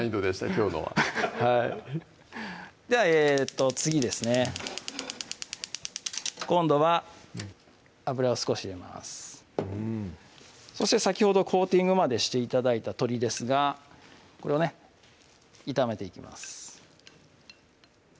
きょうのははいでは次ですね今度は油を少し入れますうんそして先ほどコーティングまでして頂いた鶏ですがこれをね炒めていきます